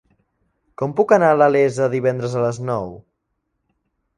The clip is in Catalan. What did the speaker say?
Com puc anar a la Iessa divendres a les nou?